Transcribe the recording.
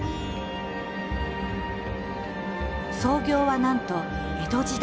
創業はなんと江戸時代。